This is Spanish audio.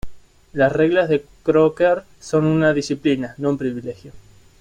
Las reglas de Crocker son una disciplina, no un privilegio.